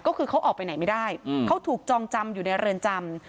ก็คือเขาออกไปไหนไม่ได้เขาถูกจองจำอยู่ในเรือนจำ